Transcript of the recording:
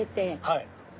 はい。